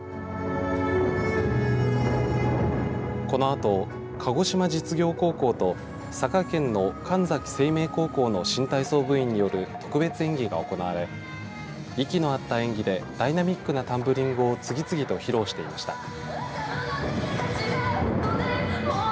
このあと鹿児島実業高校と佐賀県の神埼清明高校の新体操部員による特別演技が行われ息の合った演技でダイナミックなタンブリングを次々と披露していました。